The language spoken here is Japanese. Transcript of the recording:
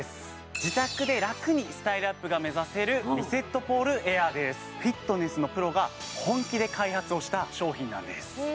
自宅で楽にスタイルアップが目指せるフィットネスのプロが本気で開発をした商品なんです